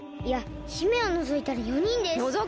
いや姫をのぞいたら４人です。